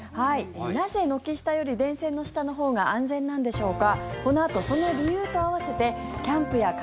なぜ、軒下より電線の下のほうが安全なんでしょうか。